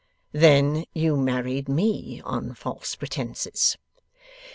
'Then you married me on false pretences.